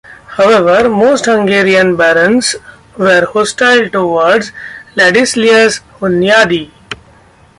However, most Hungarian barons were hostile towards Ladislaus Hunyadi.